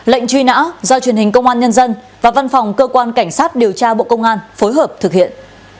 lệnh truy nã do truyền hình công an nhân dân và văn phòng cơ quan cảnh sát điều tra bộ công an phối hợp thực hiện